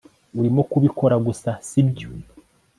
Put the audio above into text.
Urimo kubikora gusa sibyo